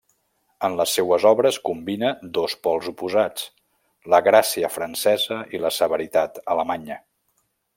En les seues obres combina dos pols oposats: la gràcia francesa i la severitat alemanya.